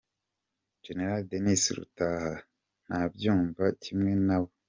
Gen. Denis Rutaha, ntabyumva kimwe na bo.